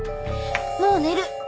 もう寝る！